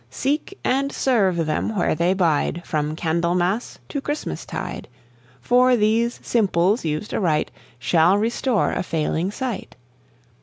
Seek and serve them where they bide From Candlemas to Christmas tide, For these simples used aright Shall restore a failing sight.